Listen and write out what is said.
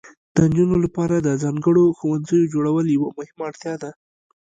د نجونو لپاره د ځانګړو ښوونځیو جوړول یوه مهمه اړتیا ده.